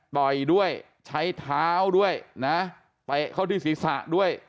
ต่อยด้วยใช้เท้าด้วยนะเตะเข้าที่ศีรษะด้วย